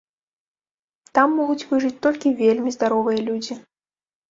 Там могуць выжыць толькі вельмі здаровыя людзі.